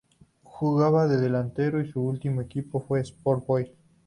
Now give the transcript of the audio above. Jugaba de delantero y su último equipo fue el Sport Boys.